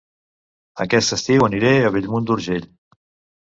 Aquest estiu aniré a Bellmunt d'Urgell